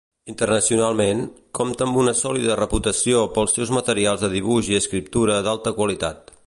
Internacionalment, compta amb una sòlida reputació pels seus materials de dibuix i escriptura d'alta qualitat.